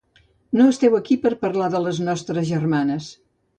No esteu aquí per parlar de les nostres germanes.